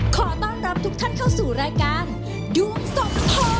ขอต้อนรับทุกท่านเข้าสู่รายการดวงสองพ่อ